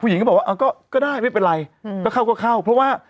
หญิงก็บอกว่าก็ได้ไม่เป็นไรก็เข้าก็เข้าเพราะว่า